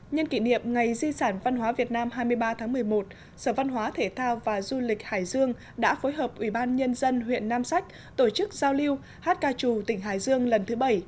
nhân kỷ niệm ngày di sản văn hóa việt nam hai mươi ba tháng một mươi một sở văn hóa thể thao và du lịch hải dương đã phối hợp ủy ban nhân dân huyện nam sách tổ chức giao lưu hát ca trù tỉnh hải dương lần thứ bảy